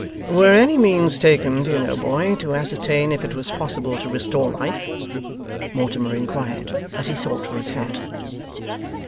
'Were any means taken, do you know, boy, to ascertain if it was possible to restore life?' Mortimer inquired, as he sought for his hat.